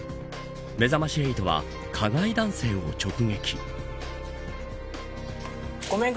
めざまし８は加害男性を直撃。